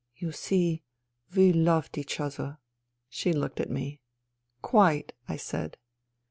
You see, we loved each other." She looked at me. " Quite," I said.